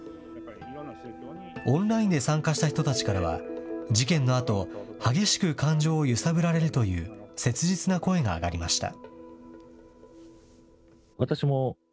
オンラインで参加した人たちからは、事件のあと、激しく感情を揺さぶられるという、切実な声が上がりました。